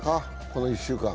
この１週間。